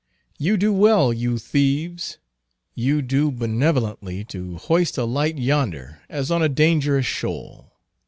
You do well, you thieves—you do benevolently to hoist a light yonder as on a dangerous shoal.